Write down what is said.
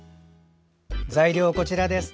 材料はこちらです。